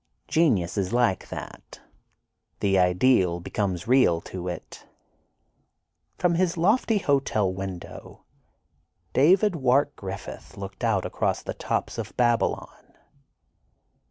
Genius is like that: the ideal becomes real to it." From his lofty hotel window, David Wark Griffith looked out across the tops of Babylon.